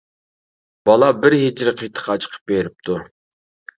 بالا بىر ھېجىر قېتىق ئاچىقىپ بېرىپتۇ.